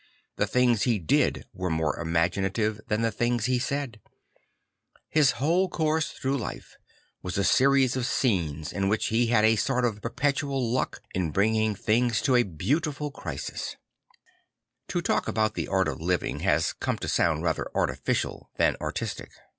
The things he did were more imaginative than the things he said, His whole course through life was a series of scenes in \vhich he had a sort of perpetual luck in bringing things to a beautiful crisis To talk about the art of living has come to sound rather artificial than artistic.